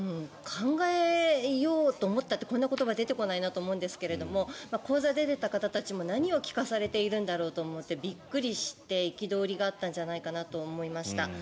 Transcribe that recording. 考えようと思ったってこんな言葉出てこないなって思うんですけど講座に出た方たちも何を聞かされているんだろうと思ってびっくりして憤りがあったんじゃないかと思いました。